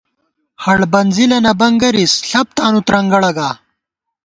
ہڑ بَنزِلہ نہ بَنگَرِس ، ݪپ تانُو ترنگَڑہ گا